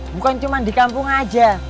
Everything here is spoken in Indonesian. bukan cuma di kampung aja